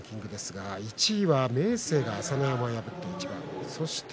１位は明生が朝乃山を破った一番でした。